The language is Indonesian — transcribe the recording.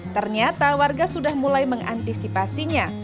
ternyata warga sudah mulai mengantisipasinya